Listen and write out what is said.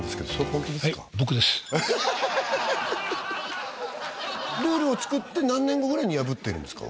はい僕ですルールをつくって何年後ぐらいに破ってるんですか